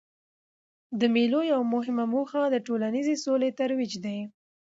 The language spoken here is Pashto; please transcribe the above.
د مېلو یوه مهمه موخه د ټولنیزي سولې ترویج دئ.